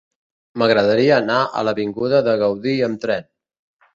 M'agradaria anar a l'avinguda de Gaudí amb tren.